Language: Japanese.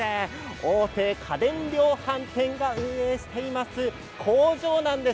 大手家電量販店が運営している工場なんです。